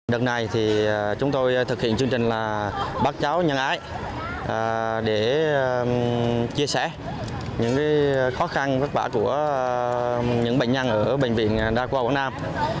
đợt này thì chúng tôi thực hiện chương trình là bác cháu nhân ái để chia sẻ những khó khăn vất vả của những bệnh nhân ở bệnh viện đa khoa quảng nam